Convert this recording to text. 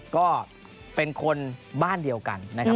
ก็เป็นคนบ้านเดียวกันนะครับ